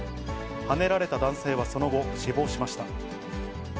はねられた男性はその後、死亡しました。